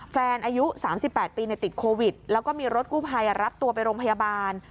แฟนอายุสามสิบแปดปีในติดโควิดแล้วก็มีรถกู้ภัยอ่ะรับตัวไปโรงพยาบาล